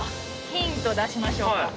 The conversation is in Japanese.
ヒント出しましょうか。